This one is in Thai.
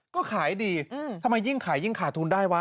ก็ขายดีทำไมยิ่งขายยิ่งขาดทุนได้วะ